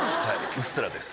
うっすらです